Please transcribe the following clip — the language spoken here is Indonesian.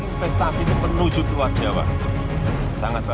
investasi itu menuju ke luar jawa